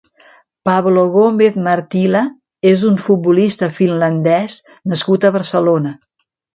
Pablo Gomez-Marttila és un futbolista finlandès nascut a Barcelona.